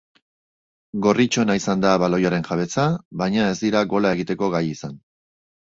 Gorritxoena izan da baloiaren jabetza, baina ez dira gola egiteko gai izan.